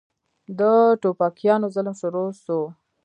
د ټوپکيانو ظلم شروع سو.